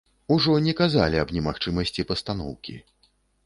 Ужо не казалі аб немагчымасці пастаноўкі.